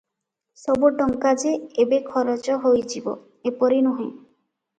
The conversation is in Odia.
ସବୁ ଟଙ୍କା ଯେ ଏବେ ଖରଚ ହୋଇଯିବ; ଏପରି ନୁହେଁ ।